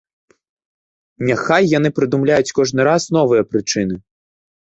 Няхай яны прыдумляюць кожны раз новыя прычыны.